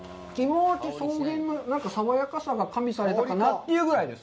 草原の爽やかさが加味されたかなというぐらいです。